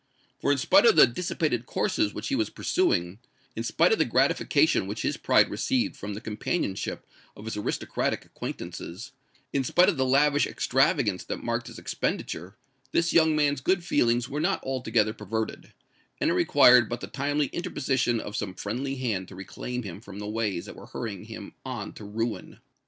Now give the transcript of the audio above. For, in spite of the dissipated courses which he was pursuing,—in spite of the gratification which his pride received from the companionship of his aristocratic acquaintances,—in spite of the lavish extravagance that marked his expenditure, this young man's good feelings were not altogether perverted; and it required but the timely interposition of some friendly hand to reclaim him from the ways that were hurrying him on to ruin!